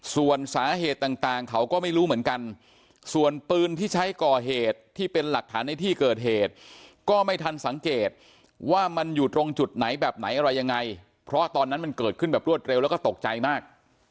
ส่วนสาเหตุต่างเขาก็ไม่รู้เหมือนกันส่วนปืนที่ใช้ก่อเหตุที่เป็นหลักฐานในที่เกิดเหตุก็ไม่ทันสังเกตว่ามันอยู่ตรงจุดไหนแบบไหนอะไรยังไงเพราะตอนนั้นมันเกิดขึ้นแบบรวดเร็วแล้วก็ตกใจมาก